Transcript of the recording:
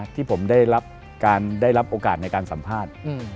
ที่ผมได้รับโอกาสในการสัมภาษณ์